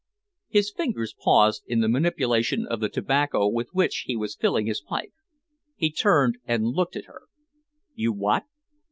His fingers paused in the manipulation of the tobacco with which he was filling his pipe. He turned and looked at her. "You what?"